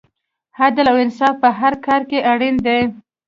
عدل او انصاف په هر کار کې اړین دی.